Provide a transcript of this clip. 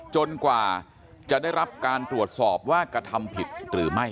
กว่าจะได้รับการตรวจสอบว่ากระทำผิดหรือไม่